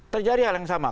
terjadi hal yang sama